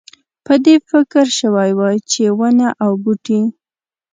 په دې فکر شوی وای چې ونه او بوټی.